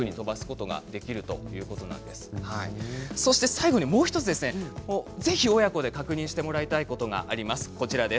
最後にもう１つぜひ親子で確認してもらいたいことがあります。